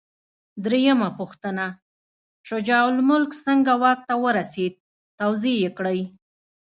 درېمه پوښتنه: شجاع الملک څنګه واک ته ورسېد؟ توضیح یې کړئ.